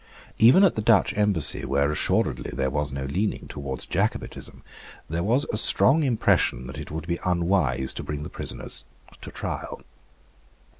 Even at the Dutch Embassy, where assuredly there was no leaning towards Jacobitism, there was a strong impression that it would be unwise to bring the prisoners to trial.